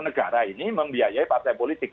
negara ini membiayai partai politik